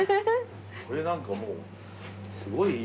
これなんかもうすごい。